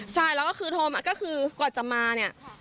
ใช่แล้วก็คือโทรมาก็คือกว่าจะมาเนี่ย